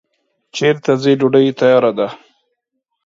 چیرته ځی ډوډی تیاره ده